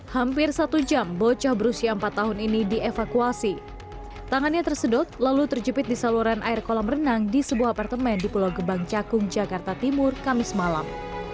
hampir satu jam bocah berusia empat tahun ini dievakuasi tangannya tersedot lalu terjepit di saluran air kolam renang di sebuah apartemen di pulau gebang cakung jakarta timur kamis malam